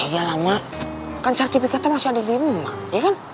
ya lah emak kan sertifikator masih ada lima ya kan